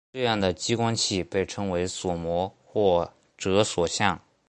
这样的激光器被称为锁模或者锁相。